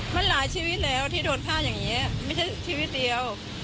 มันหลายชีวิตแล้วที่โดนพลาดอย่างนี้ไม่ใช่ชีวิตเดียว